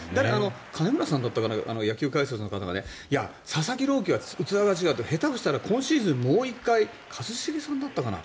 金村さんだったかな野球解説の方が佐々木朗希は器が違うって下手をしたら今シーズンもう１回、一茂さんだったかな。